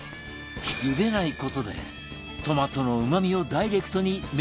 茹でない事でトマトのうまみをダイレクトに麺が吸収